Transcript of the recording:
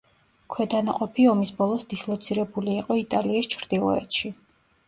ქვედანაყოფი ომის ბოლოს დისლოცირებული იყო იტალიის ჩრდილოეთში.